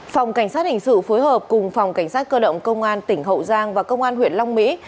phòng cảnh sát hình sự phối hợp cùng phòng cảnh sát cơ động công an tỉnh hậu giang và công an huyện long mỹ